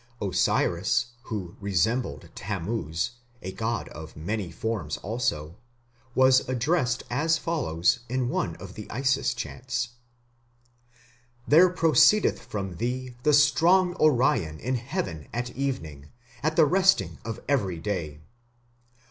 Osiris, who resembled Tammuz, a god of many forms also, was addressed as follows in one of the Isis chants: There proceedeth from thee the strong Orion in heaven at evening, at the resting of every day!